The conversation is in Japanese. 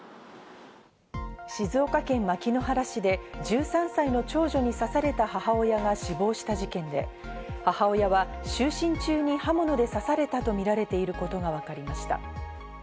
静岡県牧之原市で１３歳の長女に刺された母親が死亡した事件で、母親は就寝中に刃物で刺されたとみられていることがわかりました。